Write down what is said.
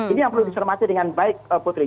ini yang perlu dicermati dengan baik putri